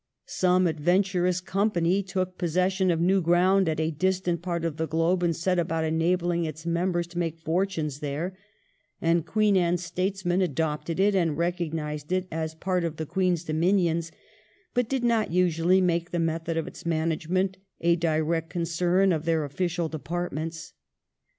Some adventurous company took possession of new ground at a distant part of the globe and set about enabling its members to make fortunes there, and Queen Anne's statesmen adopted it and recognised it as part of the Queen's dominions, but did not usually make the method of its management a direct concern of their official departments.